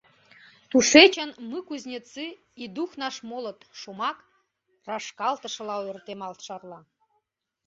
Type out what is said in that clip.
Тушечын «Мы — кузнецы, и дух наш молод» шомак рашкалтышла ойыртемалт шарла.